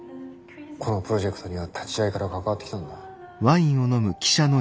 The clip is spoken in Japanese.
このプロジェクトには立ち上げから関わってきたんだ。